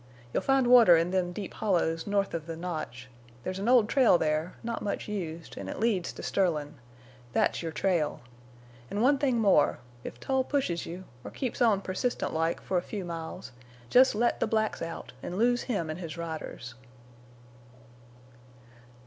You'll find water in them deep hollows north of the Notch. There's an old trail there, not much used, en' it leads to Sterlin'. That's your trail. An' one thing more. If Tull pushes you—or keeps on persistent like, for a few miles—jest let the blacks out an' lose him an' his riders."